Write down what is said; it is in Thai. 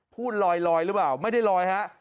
พูดลอยหรือเปล่าไม่ได้ลอยฮะ